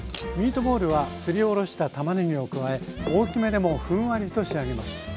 ミートボールはすりおろしたたまねぎを加え大きめでもふんわりと仕上げます。